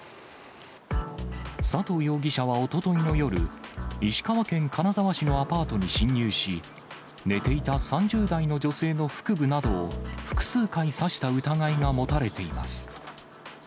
佐藤容疑者はおとといの夜、石川県金沢市のアパートに侵入し、寝ていた３０代の女性の腹部などを複数回、刺した疑いが持たれています。